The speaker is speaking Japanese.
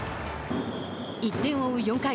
１点を追う４回。